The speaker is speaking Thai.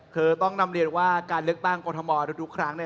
คือต้องนำเรียนว่าการเลือกตั้งกรทมทุกครั้งเนี่ย